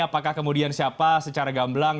apakah kemudian siapa secara gamblang